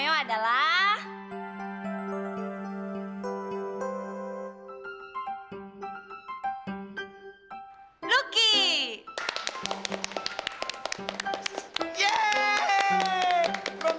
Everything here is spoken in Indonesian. saya umumkan siapa yang akan menjadi romeo